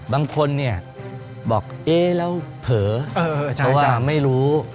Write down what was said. บางคนเนี่ยบอกเอ๊ะแล้วเผลอเพราะว่าไม่รู้